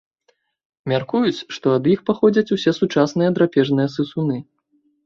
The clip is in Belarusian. Мяркуюць, што ад іх паходзяць усе сучасныя драпежныя сысуны.